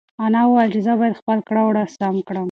انا وویل چې زه باید خپل کړه وړه سم کړم.